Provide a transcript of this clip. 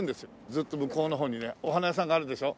ずっと向こうの方にねお花屋さんがあるでしょ？